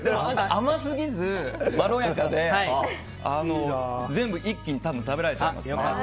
甘すぎず、まろやかで全部一気に食べられちゃいますね。